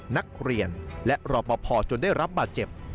นักเรียนและรอปภจนได้รับบาดเจ็บ